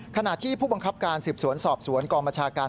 ขณะที่ผู้บังคับการสืบสวนสอบสวนกองบัญชาการ